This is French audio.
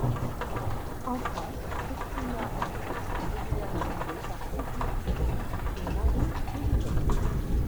En France, Christina Hendricks est régulièrement doublée par Sybille Tureau et Marine Jolivet.